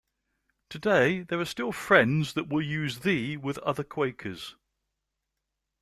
Today there are still Friends that will use "thee" with other Quakers.